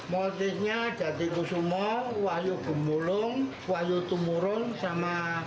motifnya jati kusumo wahyu dumulung wahyu tungurun sama parang